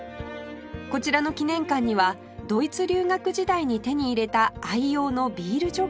こちらの記念館にはドイツ留学時代に手に入れた愛用のビール